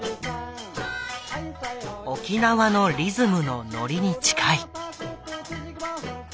沖縄のリズムのノリに近い。